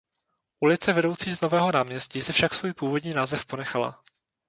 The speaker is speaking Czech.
Ulice vedoucí z nového náměstí si však svůj původní název ponechala.